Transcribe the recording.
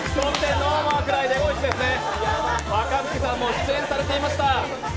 若槻さんも出演されていました。